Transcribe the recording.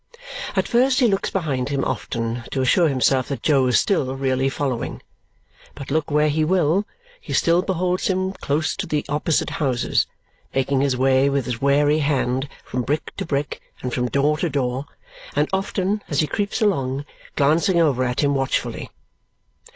At first he looks behind him often to assure himself that Jo is still really following. But look where he will, he still beholds him close to the opposite houses, making his way with his wary hand from brick to brick and from door to door, and often, as he creeps along, glancing over at him watchfully.